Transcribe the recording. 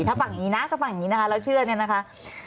ถ้าฝั่งนี้นะก็ฝั่งนี้เราเชื่อนี่นะคะ